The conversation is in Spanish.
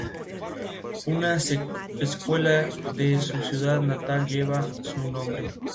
Se trata del lago natural más grande y profundo en la República Checa.